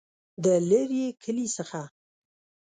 دلیري کلي څخه